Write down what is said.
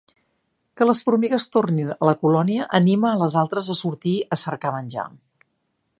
Que les formigues tornin a la colònia anima les altres a sortir a cercar menjar.